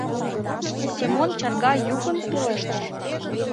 — Семон чарга йӱкын пелештыш.